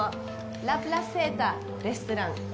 ラ・プラセタレストラン。